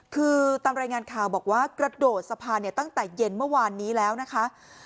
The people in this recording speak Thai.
คือตามรายงานข่าวบอกว่ากระโดดสะพานตั้งแต่เย็นเมื่อวานนี้แล้วนะคะ